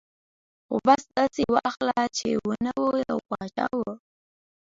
ـ خو بس داسې یې واخله چې و نه و ، یو باچا و.